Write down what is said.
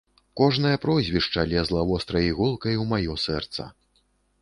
Кожнае прозвішча лезла вострай іголкай у маё сэрца.